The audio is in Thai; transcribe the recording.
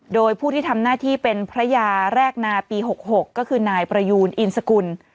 โดยผู้ที่ทำหน้าที่เป็นพระยาแรกนาปี๖๖ก็คือนายประยูนอินสกุล